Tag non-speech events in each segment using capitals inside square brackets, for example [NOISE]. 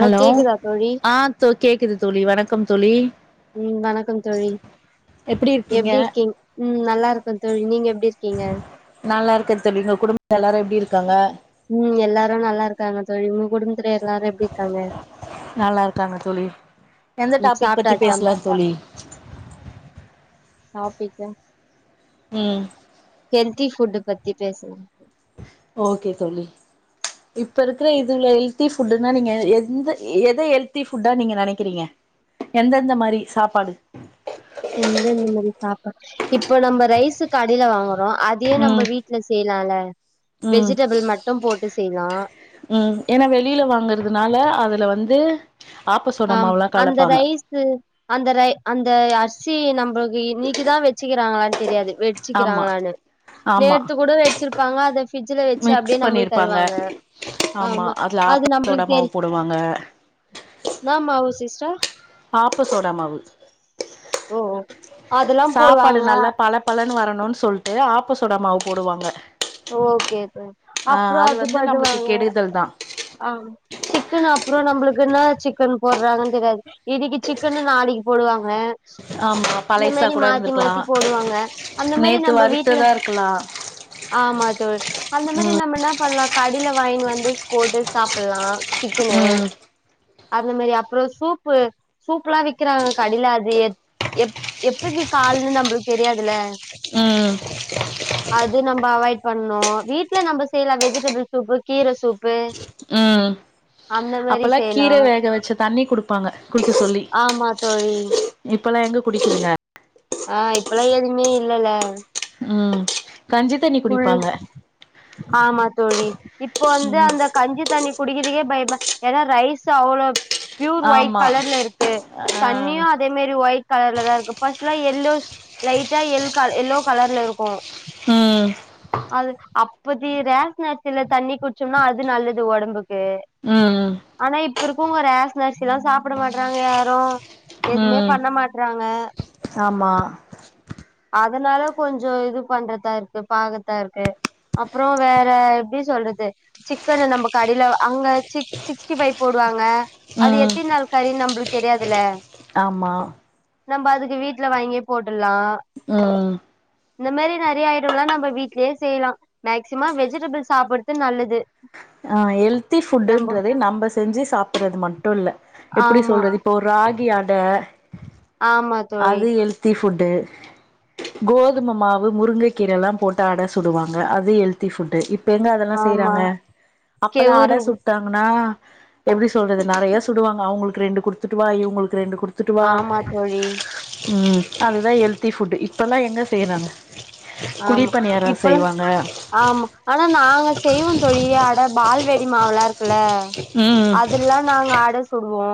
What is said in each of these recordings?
Hello கேக்குதா தோழி ஆ தோ கேக்குது தோழி வணக்கம் தோழி. ம் வணக்கம் தோழி. எப்டி இருக்கீங்க எப்டிருக்கீங் ம் நல்லாருக்கோ தோழி நீங்க எப்டிருக்கீங்க? நல்லாருக்கே தோழி. உங்க குடும்ப [INAUDIBLE] எல்லாரு எப்டிருக்காங்க? ம் எல்லாரு நல்லார்க்காங்க தோழி. உங்க குடும்த்துல எல்லாரு எப்டிர்க்காங்க? நல்லாருக்காங்க தோழி. எந்த டாபிக் பத்தி பேசலா தோழி? டாபிக்கா ம். ஹெல்த்தி ஃபுட்டு பத்தி பேசலாம் [INAUDIBLE] ஓகே தோழி. இப்ப இருக்குற இதுல எல்த்தி ஃபுட்டுன்னா நீங்க எந்த எத எல்த்தி ஃபுட்டா நீங்க நெனைக்கிறீங்க? எந்தெந்த மாரி சாப்பாடு? எந்தெந்த மாரி சாப்பா இப்ப நம்ப ரைஸு கடைல வாங்குறோ அதியே ம் நம்ப வீ ட்ல செய்லால. ம் வெஜிடபிள் மட்டு போட்டு செய்லா. ம் ஏனா வெளில வாங்கறதுனால அதுல வந்து ஆப்பசோடா மாவல்லா கலப்பாங்க. ம் அந்த ரை அந்த அரிசி நம்பளுக்கு இன்னிக்குதா வெச்சிக்கறாங்களான் தெரியாது. ஆமா வெட்ச்சிக்கறாங்களானு. ஆமா நேத்து கூட வெட்ச்சிருப்பாங்க அதை ஃபிரிட்ல வெச்சு அப்டியே மிக்ஸ் நம்புளுக் பண்ணிருப்பாங்க தருவாங்க. ஆமா அதுல அது ஆப்ப சோடா நம்மளுக்கு மாவு போடுவாங்க. என்னா மாவு சிஸ்ட? ஆப்ப சோடா மாவு. ஓ ஓ அதல்லாம் போடுவாங்க. பலன் வரணுன் சொல்ட்டு ஆப்ப சோடா மாவு போடுவாங்க. ஓகே ஓகே ஓகே ஆ அப்புறோ அது வந்து நம்மளுக்கு பண்ணுவாங்க கெடுதல் தா ஆ. சிக்கனு அப்புறோ நம்புளுக்கு என்னா சிக்கன் போட்றாங்கன் தெரியாது. இன்னிக்கி சிக்கன்னு நாளைக்கி போடுவாங்க. ஆமா இந்த பழைசா மாரி கூட மாத்தி இருந்திருக்கலா மாத்தி போடுவாங்க அந்த மாரி நம்ப வீட்ல க்கலா. ஆமா தோழி அந்த மாரி நம்ம என்னா பண்லா கடில வாய்னு வந்து ஸ் போட்டு சாப்பில்லா. சிக்கனு. ம் அந்த மாரி அப்புறோ சூப்பு சூப்லா விக்கிறாங்க கடில அது எ எப் எப்பத்தி கால்ன்னு நம்புளுக் தெரியாதுல்ல. ம் அது நம் நம்ப அவாய்ட் பண்ணு வீட்ல நம்ப செய்லா வெஜிடபிள் சூப்பு கீர சூப்பு ம் அந்த மாரி அப்பல்லா செய்யலா கீர வேக வச்ச தண்ணி குடுப்பாங்க குடிக்க சொல்லி ஆமா தோழி இப்பெல்லா எங்க குடிக்குதுங்க ஆ இப்பல்லா எதுவுமே இல்லல்ல ம் கஞ்சி தண்ணி கூழ் குடிப்பாங்க ஆமா தோழி இப்போ வந்து ம் அந்த கஞ்சி தண்ணி குடிக்குதுக்கே பயமா ஏன்னா ரைஸ் அவ்ளோ ப்யூர் ஒயிட் ஆமா கலர்ல இருக்கு ஆ தண்ணியு அதே மேரி ஒயிட் கலர்ல தா இருக்கு ஃபஸ்ட்லா எல்லோஸ் லைட்டா எல் க எல்லோ கலர்ல இருக்கும் ம் அது அப் பதி ரேஷன் அரிசில தண்ணி குடிச்சோம்னா அது நல்லது ஒடம்புக்கு ம் ம் ஆனா இப்ப இருக்கவங்க ரேஷன் அரிசிலா சாப்ட மாட்றாங்க யாரும் எதுவுமே ம் பண்ண மாட்றாங்க ஆமா அதனால கொஞ்ச இது பண்றதா இருக்கு பாக்கர்த்தா இருக்கு அப்புற வேற எப்டி சொல்றது சிக்கன நம்ப கடையில அங்க சிக் சிக்ஸ்ட்டி ஃபைவ் போடுவாங்க அது ம் எத்தினி நாள் கறின்னு நம்பளுக்கு தெரியாதுல்ல ஆமா நம்ப அதுக்கு வீட்ல வாங்கியே போட்டுர்லா ம் இந்த மேரி நெறையா ஐட்டம்லா நம் ம் வீட்லயே செய்யலா மேக்சிம வெஜிடபிள் சாப்புறது நல்லது ஆ ஹெல்த்தி நம்ப ஃபுட்டுன்றதே நம்ப செஞ்சு சாப்புட்றது மட்டு இல்ல எப்டி ஆமா சொல்றது இப்போ ராகி அட ஆமா தோழி அது ஹெல்த்தி ஃபுட்டு கோதும மாவு முருங்கக் கீரல்லா போட்டு அட சுடுவாங்க அது ஹெல்த்தி ஃபுட்டு இப் இப்ப எங்க அதெல்லா ஆமா செய்றாங்க அப்பெல்லா கெவுரு அட சுட் டாங்கன்னா எப்டி சொல்றது நெறைய சுடுவாங்க அவுங்களுக்கு ரெண்டு குடுத்துட்டு வா இவுங்களுக்கு ரெண்டு குடுத் துட்டுவா ஆமா தோழி ம் அதுதா ஹெல்த்தி ஃபுட் இப்பல்லா எங்க செய்றாங்க குழி ஆமா பணியாரோ இப்பல்லா செய்வாங்க ஆமா ஆனா நாங்க செய்வோ தோழி அட பால்வாடி மாவுல்லா இருக்குல்ல ம் அதுல்லா நாங்க அட சுடுவோ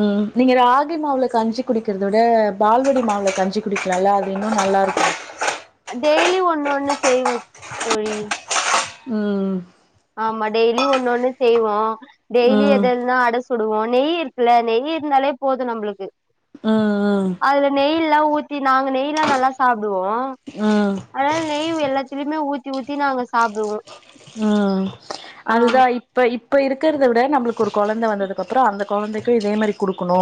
ம் நீங்க ராகி மாவுல கஞ்சி குடிக்கிறத விட பால்வாடி மாவுல கஞ்சி குடிக்கலால்ல அது இன்னு நல்லாருக்கு டெய்லி ஒன்னு ஒன்னு செய்வோ தோழி ம் ஆமா டெய்லி ஒன்னு ஒன்னு செய்வோ டெய்லி ம் எததென்னா அட சுடுவோ நெய் இருக்குல்ல நெய் இருந்தாலே போதும் நம்பளுக்கு ம் ம் அதுல நெய்லா ஊத்தி நாங்க நெய்லா நல்லா சாப்டுவோ ம் அதனால நெய் எல்லாத்துலையுமே ஊத்தி ஊத்தி நாங்க சாப்டுவோ ம் அதுதா ஆமா இப்ப இப்ப இருக்கறத விட நம்பளுக்கு ஒரு கொழந்த வந்ததுக்கப்புற அந்த கொழந்தைக்கு இதே மாரி குடுக்கணு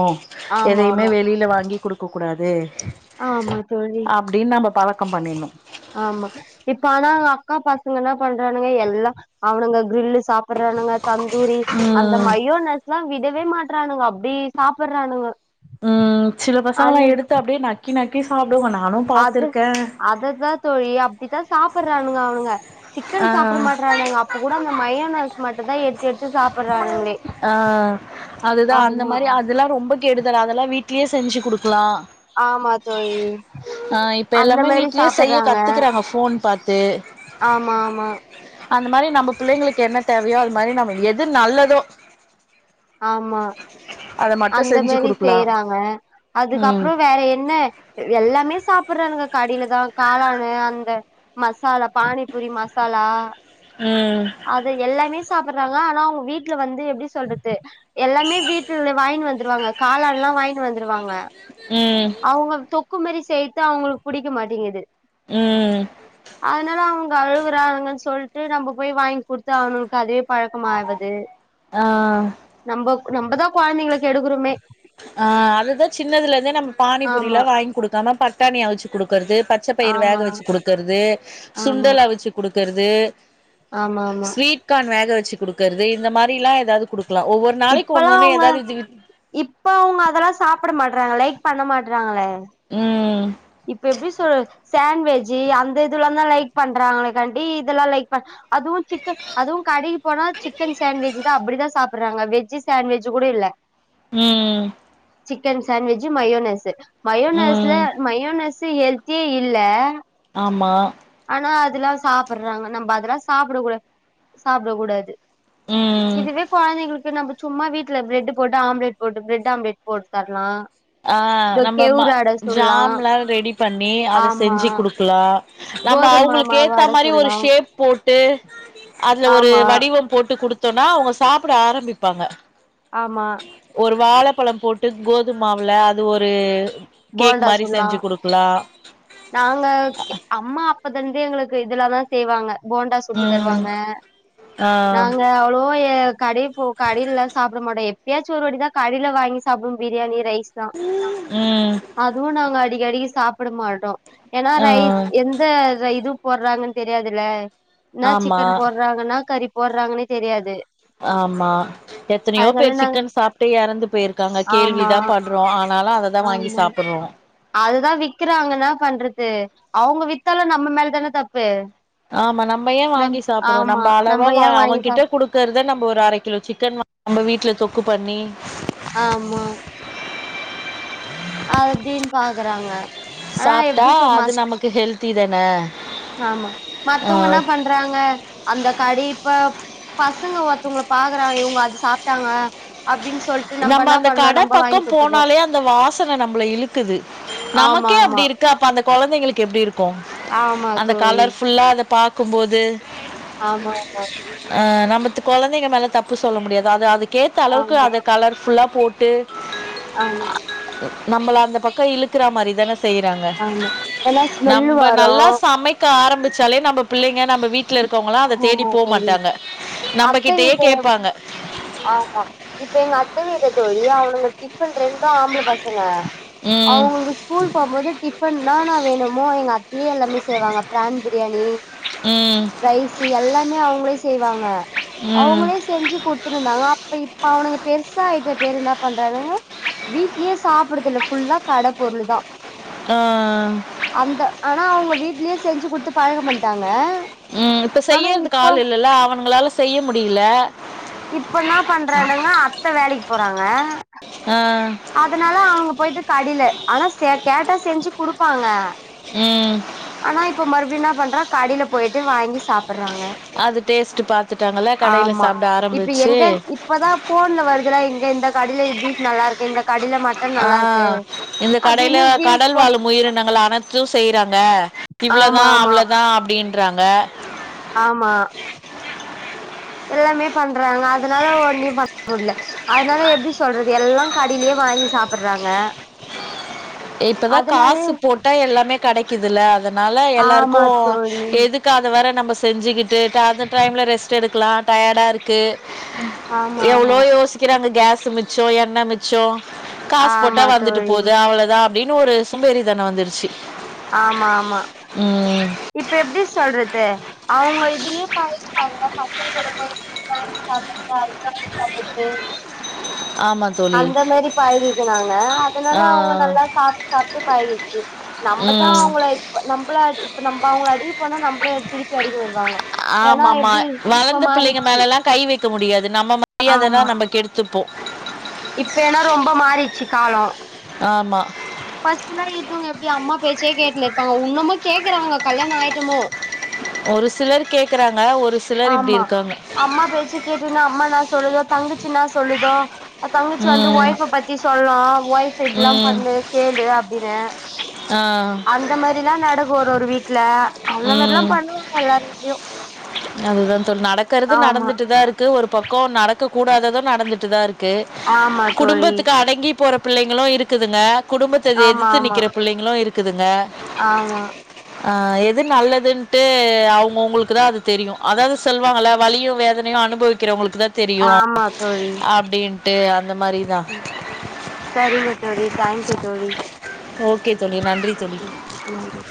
ஆமா எதையுமே ஆமா வெளியில வாங்கி குடுக்கக் கூடாது ஆமா தோழி அப்டின்னு நம்ப பழக்கம் பண்ணிட்ணு ஆமா இப்ப ஆனா அக்கா பசங்க என்ன பண்றானுங்க எல்லா அவனுங்க கிரில்லு சாப் சாப்பட்றானுங்க தந்தூரி அந்த ம் மையோனஸ்ல்லா விடவே மாட்றானுங்க அப்டி சாப்பட்றானுங்க ம் சில பசங்கல்லா எடுத்து அப்டியே நக்கி நக்கி சாப்டுவோ நானு அது பாத்துருக்கே அதுதா தோழி அப்டிதா சாப்பட்றானுங்க அவனுங்க ஆ சிக்கன் சாப்ட மாட்றானுங்க அப்ப கூட அந்த மயோனஸ் மட்டுதா எடு ஆ அதுதா அந்த ஆமா மாரி அதெல்லா ரொம்ப கெடுதல் அதெல்லா வீட்லயே செஞ்சு குடுக்கலா ஆமா தோழி ஆ இப்ப அந்த எல்லாமே மாரி வீட்லயே செய்ய சாப்புட்றாங்க கத்துக்கறாங்க ஃபோன் பாத்து ஆமா ஆமா அந்த மாரி நம்ப புள்ளைங்களுக்கு என்ன தேவையோ அது மாரி நம்ம எது நல்லதோ ஆ அத மட்டு அந்த செஞ்சு மாரி குடுக்கலா செய்யறாங்க ம் அதுக்கப்றோ வேற என்ன எல்லாமே சாப்பட்றானுங்க கடைலதா காளானு அந்த மசாலா பானிபூரி மசாலா ம் அது எல்லாமே சாப்பட் றாங்க ஆனா அவங்க வீட்டுல வந்து எப்டி சொல்றது எல்லாமே வீட்ல வாங்கின்னு வந்துருவாங்க காளான்ல்லா வாங்கின்னு வந்துருவாங்க ம் அவுங்க தொக்குமாறி செய்றது அவங்களுக்கு புடிக்க மாட்டேங்குது ம் அதனால அவுங் அழுவுறானுங்கனு சொல்ட்டு நம்ம போய் வாங்கி குடுத்தா அவனுகளுக்கு அதே பழக்கமாவது ஆ நம்போ நம்பதா கொழந்தைங்கள கெடுக்குறோமே ஆ அதுதா சின்னதுலத இருந்தே நம்ம ஆமா பானிபூரியெல்லா வாங்கி குடுக்காம பட் பட்டாணி அவுச்சு குடுக்கறது பச்ச பயிரு வேக ஆமா வெச்சு குடுக்கறது ஆமா சுண்டல் அவிச்சு குடுக்கறது ஆமா ஆமா கான் வேக வச்சு குடுக்கறது இந்த மாரில்லா ஏதாவது குடுக்கலா ஒவ்வொரு நாளைக்கு இப்பல்லா ஒன்னொன்னு அவங்க ஏதாது இது இப்ப அவங்க அதெல்லா சாப்ட மாட்றாங்க லைக் பண்ண மாட்றாங்களே ம் இப்ப எப்டி சொல் சேண்ட்வெஜ்ஜி அந்த இதுல்லாந்தா லைக் பண்றாங்க காண்டி இதுல்லா லைக் அதுவு சிக்கன் அதுவு கடைக்கு போனா சிக்கன் சாண்ட்விச்தா அப்டிதா சாப் ப்பறாங்க வெஜ் சேண்ட் வெஜ் கூட இல்ல ம் சிக்கன் சாண்வெஜ்ஜூ மயோனஸ்ஸு மயோனஸ்ல ம் மயோனஸ் ஹெல்த்தியே இல்ல ஆமா ஆனா அதுல்லா சாப்பட்றாங்க நம்ம அதெல்லா சாப்டக்க கூடா சாப்டக் கூடாது ம் இதுவே கொழந்தைங்களுக்கு நம்ம சும்மா வீட்டுல பிரெட் போட்டு ஆம்லெட் போட்டு பிரெட் ஆம்லெட் போட்டு தரலா ஆ இந்த நம்ம மா கெவுரு அட சுட்லா ஜாம்லா ரெடி பண்ணி அத ஆமா செஞ்சு குடுக்கலா நம்ம கோதும அவங்களுக்கு மாவு ஏத்த அட மாரி ஒரு சுட்லா ஷேப் போட்டு அதுல ஒரு ஆமா வடிவம் போட்டு குடுத்தோனா அவங்க சாப்புட ஆரம்பிப்பாங்க ஆமா ஒரு வாழப்பழம் போட்டு கோதுமாவுல அது ஒரு கேக் போண்டா மாரி சுட்லா செஞ்சு குடுக்கலா நாங்க ஓகே அம்மா அப்பதருந்தே எங்களுக்கு இதுலதா செய்வாங்க போண்டா சுட்டு ம் தருவாங்க ஆ நாங்க அவ்ளோவா ஏ கடைப் போ கடைல சா சாப்ட மாட்டோ எப்பயாச்சு ஒரு வாட்டிதா கடயில வாங்கி சாப்பிடுவோ பிரியாணி ரைஸ் தான் ம் அதுவு நாங்க அடிகடிக்கி சாப்பிட மாட்டோ ஏன்னா ஆ ரைஸ் எந் இந்த இத இதுவு போடுறாங்கன்னு தெரியாதுலல ன்னா ஆமா சிக்கன் போட்றாங்கன்னா கறிப் போட்றாங்கன்னே தெரியாது ஆமா எத்தனையோ அதனால பேர் நாங்க சிக்கன் சாப்பிட்டு எறந்து போயிருக்காங்க கேள்வி ஆமா தா பட்றோ ஆனாலு அததா வாங்கி ஆமா சாப்பிட்றோ அதுதா விக்கிறாங்கல்ல என்னாப் பண்றது அவங்க வித்தாலு நம்ம மேலதானே தப்பு ஆமா நம்ம ஏ நம் வாங்கி சாப்புறோ ஆமா நம்ப அளவா ஏன் வாங்கி அவங்கிட்ட சாப் குடுக் க்கறத நம்ப ஒரு அர கிலோ சிக்கன் நம்ப வீட்ல தொக்கு பண்ணி ஆமா அப்டின் பாக்கறாங்க சாப்ட்டா அது நமக்கு ஹெல்த்தி தானே ஆமா மத்தவங்க என்ன பண்றாங்க அந்த கடிப்ப பசங்க ஒருத்தவங்கல பாக்கறா இவங்க அது சாப்ட்டாங்க அப்டின் நம்ம அந்த கட பக்கோ போனாலே அந்த வாசன நம்பள இழுக்குது ஆமா நமக்கே ஆமா அப்டி இருக் அப்ப அந்த குழந்தைங்களுக்கு கு அப்ப அந்த கொழந்திங்களுக்கு எப்டி இருக்கு ஆமா அந்த தோழி கலர்ஃபுல்லா அத பாக்கும்போது ஆமா ஆமாங் ஆ நம்மது கொழந்தைங்க மேல தப்பு சொல்ல முடியாது அது அதுக்கேத்த அளவுக்கு ஆமா அத கலர் ஃபுல்லா போட்டு ஆமா நம்மள அந்த பக்க இழுக்கற மாரி தானே செய்றாங்க ஆமா ஏன்னா ஸ்மெல்லு நம்ப வரு நல்லா சமைக் க்க ஆரம்பிச்சாலே நம்ப பிள்ளைங்க நம்ப வீ ட்ல இருக்கவங்களா அத தேடி ஆமா போ தோழி மாட்டாங்க அத்த நம்பகிட்டயே வீட்டு கேப்பாங்க ஆமா இப்ப எங்க அத்த வீட்ல தோழி அவனுங்க டிஃபன்ட ரெண்டு ஆம்புள பசங்க ம் அவுங்களுக்கு ஸ்கூல் போவ்ம்போது டிஃபன் னானா வேணுமோ எங்க அத்தியே எல்லாமே செய்வாங்க பிரான் பிரியாணி ம் ரைஸு எல்லாமே அவங்களே செய்வாங்க ம் அவுங்களே செஞ்சு குடுத்துட்டு இருந்தாங்க அப்ப இப்ப அவனுங்க பெருசா ஆயிட்ட பேரு என்ன பண்றானுங்க வீட்லயே சாப்புறதில்ல ஃபுல்லா கட பொருள் தா ஆ அந்த ஆனா அவங்க வீட்லயே செஞ்சு குட்த்து பழக்கம் பண்ட்டாங்க. ம் இப்ப ஆனா செய்யற்துக்கு இப்போ ஆள் இல்லல்ல அவனுங்களால செய்ய முடில்ல இப்ப ன்னா பண்றானுங்க அத்த வேலைக் போறாங்க ஆ அதனால அவங்க போயிட்டு கடையில ஆனா செ கேட்டா செஞ்சு குடுப்பாங்க ம் ஆனா இப்ப மறுபடியு ன்னா பண்றா கடைல போயிட்டு வாங்கி சாப்பறாங்க... அது டேஸ்ட் பாத்துட்டாங்கல்ல கடையில ஆமா சாப்ட இப்ப ஆரம்பிச்சு எங்க இப் இப்பதா ஃபோன்ல வருதுல்ல இங்க இந்த கடைல பீஃப் நல்லாருக்கு இந்த கடைல மட் ஆ எங்க கடையில வியூஸ் கடல் போ வாழும் உயிரினங்கள் அனைத் சு செய்றாங்க ஆமா இவ்ளதா ஆமா அவ்ளதா அப்டின்றாங்க ஆமா எல்லாமே பண்றாங்க அதனால ஒன்னி பாக்க முட்ல அதனால எப்டி சொல்றது எல்லா கடையிலயே வாங்கி சாப்புடுறாங்க இப்பதா காசு போட்டா எல்லாமே கடைக்குதுல அதனால ஆமா எல்லாருக்கோ தோழி எதுக் கு அத வேர நம்ம செஞ்சுக்கிட்டு அந்த டைம்ல ரெஸ்ட் எடுக்கலா டயர்டா இருக்கு ஆமா எவ்ளோ ஆமா யோசிக்கிறாங்க கேஸ்சு மிச்சோ எண்ண மிச் ச்சோ காசு போட்டா ஆமா வந்துட்டு தோழி போது அவ்ளோதா அப்டின்னு ஒரு சோம்பேறி தானோ வந்துருச்சி ஆமா ஆமா இப்ப எப்டி சொல்றது அவங்க இதுலயே பழகிட்டாங்க பசங்க கூட போயி இத வாங்கி சாப்புட்டு அது வாங்கி சாப்புட்டு ஆமா அந்த மாரி பழகிக்கனாங்க அதனால ஆ, அவுங்க நல்லா சாப்புட்டு சாப்புட்டு பழகிச்சி நம்பதா ம் அவுங்கள இப்ப நம்பள இப்ப நம்ப அவுங்கள அடிக்க போனா நம்பள திருப்பி அடிக்க வருவாங்க ஏன்னா ஆமா ஆமா எப்டி இப்ப வளந்த பிள்ளைங்க மாறிச்சு மேலல்லா கை வெக்க முடியாது நம்ம மரியாதை தா ஆமா நம்ம கெடுத்து துப்போ இப்ப ஏனோ ரொம்ப மாரிச்சி காலோ ஆமா ஃபர்ஸ்ட்லா இப்போ இவுங்க எப்டி அம்மா பேச்சையே கேட்டுனு இருப்பாங்கோ உன்னமு கேக்குறாங்க கல்யாணோ ஆயிட்டுமு ஒரு சிலர் கேக்குறாங்க ஒரு சிலர் இப்படி ஆமா இருக்காங்க அம்மா பேச்சி கேட்டுனு அம்மானா சொல்லுதோ தங்கச்சினா சொல்லுதோ அது தங்கச்சி வந்து ம் ஒய்ஃப் பத்தி சொல்லு ஒய்ஃப் இப்டிலா ம் பண்ணு கேளு அப்டின்னு ஆ அந்த மாரிலா நடக்கு ஒரு ஒரு வீட்டுல அந்த மாரிலா பண்ணுவாங்க எல்லார் வீட்லயு அதுதா தோழி நடக்கறது ஆமா நடந்துட்டுதான இருக்கு ஒரு பக்கோ நடக்க கூடாதது நடந்துட்டுதா இருக்கு ஆமா இருக்கு தோழி குடும்பத்துக்கு அடங்கி போற பிள்ளைங்களு இருக்குதுங்க குடும்பத்த ஆமா எதிர்த்து ஆமா நிக்கிற பிள்ளைங்களு இருக்குதுங்க ஆமா ஆ எது நல்லதுன்டு அவங்கவங்களுக்கு தா அது தெரியு அதாது சொல்லுவாங்கள வலியு வேதனையு அனுபவிக்கிறவங்களுக்கு தா தெரியு ஆமா தோழி அப்டின் ட்டு அந்த மாரி ம் சரிங்க தோழி தேங்க்யூ தோழி ஓகே தோழி நன்றி தோழி நன்றிங்க